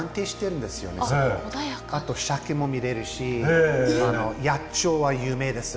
あとシャケも見れるし野鳥は有名です。